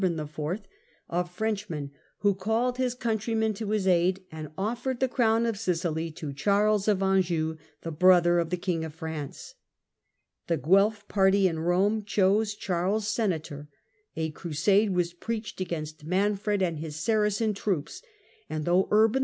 a French THE FALL OP THE HOHENSTAUFEN 247 man, who called his countrymen to his aid, and offered the crown of Sicily to Charles of Anjou, the brother of interveu the King of France. The Guelf party in Eome chose charges of Charles Senator, a Crusade was preached against Manfred ^^J^^ and his Saracen troops, and though Urban IV.